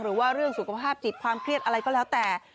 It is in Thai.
หรือว่าเรื่องสุขภาพจิตความเครียดอะไรก็แล้วแต่